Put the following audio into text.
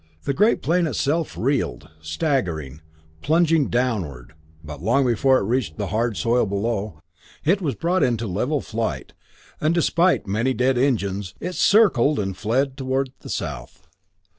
The great plane itself reeled, staggering, plunging downward; but long before it reached the hard soil below, it was brought into level flight, and despite many dead engines, it circled and fled toward the south.